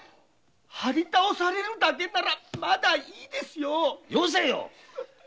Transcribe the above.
張り倒されるだけならいいですよ！